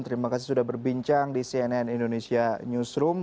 terima kasih sudah berbincang di cnn indonesia newsroom